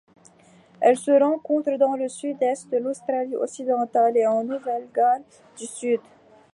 Elle se rencontre dans le Sud-Est de l'Australie-Occidentale et en Nouvelle-Galles du Sud.